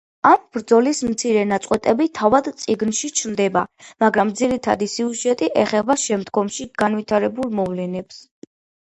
ამ ბრძოლის მცირე ნაწყვეტები თავად წიგნში ჩნდება, მაგრამ ძირითადი სიუჟეტი ეხება შემდგომში განვითარებულ მოვლენებს.